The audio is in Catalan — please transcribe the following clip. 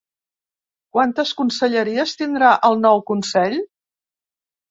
Quantes conselleries tindrà el nou Consell?